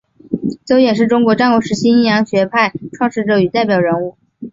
邹衍是中国战国时期阴阳家学派创始者与代表人物。